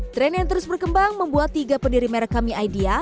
tren yang terus berkembang membuat tiga pendiri merek kami idea